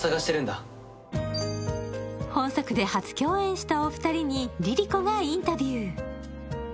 本作で初共演したお二人にＬｉＬｉＣｏがインタビュー。